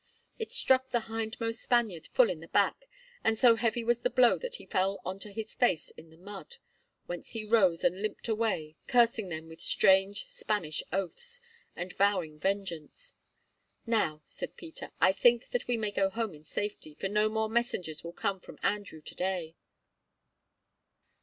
It struck the hindmost Spaniard full in the back, and so heavy was the blow that he fell on to his face in the mud, whence he rose and limped away, cursing them with strange, Spanish oaths, and vowing vengeance. "Now," said Peter, "I think that we may go home in safety, for no more messengers will come from Andrew to day."